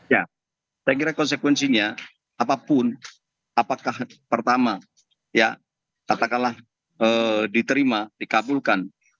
ya saya kira konsekuensinya apapun apakah pertama ya katakanlah diterima dikabulkan